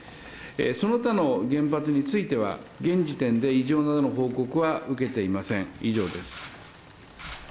その他の原発については、現時点で異常の報告は受けていません。